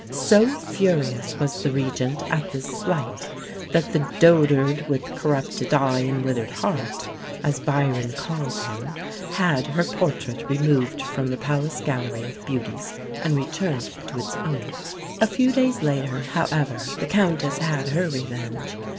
So furious was the Regent at this slight that "the dotard with corrupted eye and withered heart," as Byron calls him, had her portrait removed from the Palace Gallery of Beauties, and returned to its owner. A few days later, however, the Countess had her revenge.